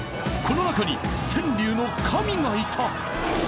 この中に川柳の神がいた］